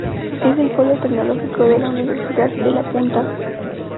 Es el polo tecnológico de la Universidad de La Punta.